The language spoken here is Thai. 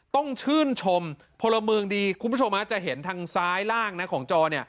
ต้องชื่นชมพลเมืองดีคุณผู้ชมจะเห็นทางซ้ายล่างของจอ